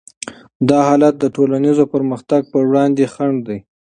دا حالت د ټولنیز پرمختګ پر وړاندې خنډ دی.